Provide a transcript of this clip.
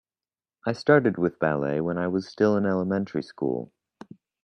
I started with ballet when I was still in elementary school.